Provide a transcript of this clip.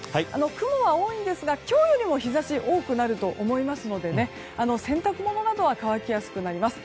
雲は多いんですが今日よりも日差しは多くなると思いますので洗濯物などは乾きやすくなります。